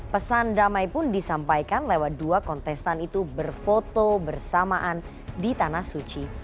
pesan damai pun disampaikan lewat dua kontestan itu berfoto bersamaan di tanah suci